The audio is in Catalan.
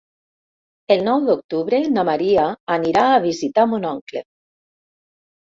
El nou d'octubre na Maria anirà a visitar mon oncle.